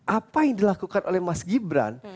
apa yang dilakukan oleh mas gibran